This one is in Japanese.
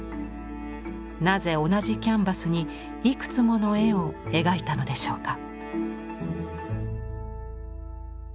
なぜ同じキャンバスにいくつもの絵を描いたのでしょうか。